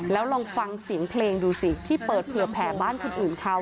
แล้วลองฟังเสียงเพลงดูสิที่เปิดเผื่อแผ่บ้านคนอื่นเขา